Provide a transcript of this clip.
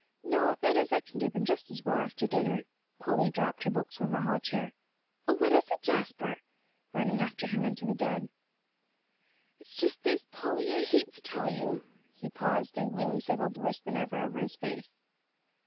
"No that is, I can do them just as well after dinner." Polly dropped her books on the hall chair. "Oh, what is it, Jasper?" running after him into the den. "It's just this, Polly, I hate to tell you " He paused, and gloom settled worse than ever over his face.